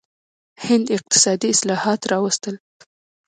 هند اقتصادي اصلاحات راوستل.